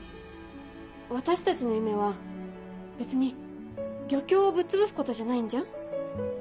私たちの夢は別に漁協をぶっ潰すことじゃないんじゃん。